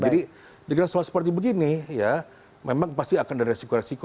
jadi di dalam soal seperti begini ya memang pasti akan ada resiko resiko